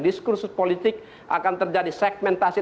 diskursus politik akan terjadi segmentasi